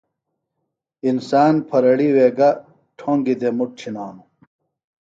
انسان پھرڑیوے گہ ٹھوۡنگیۡ دےۡ مُٹ چِھنانوۡ